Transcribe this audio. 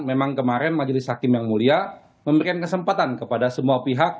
memang kemarin majelis hakim yang mulia memberikan kesempatan kepada semua pihak